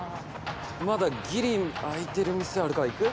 まだギリ開いてる店あるから行く？